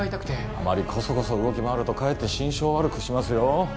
あまりコソコソ動き回るとかえって心証を悪くしますよ